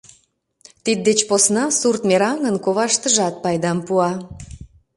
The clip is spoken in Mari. Тиддеч посна сурт мераҥын коваштыжат пайдам пуа.